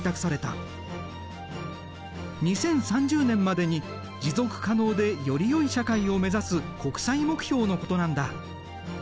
２０３０年までに持続可能でより良い社会を目指す国際目標のことなんだ。